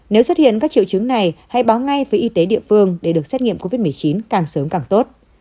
nếu xuất hiện các triệu chứng này hãy báo ngay với y tế địa phương để được xét nghiệm covid một mươi chín càng sớm càng tốt